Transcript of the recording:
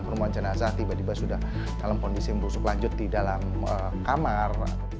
penemuan jenazah tiba tiba sudah dalam kondisi merusuk lanjut di dalam kamar